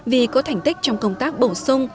vì có thành tích trong công tác bổ sung